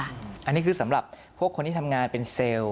อันนี้คือสำหรับพวกคนที่ทำงานเป็นเซลล์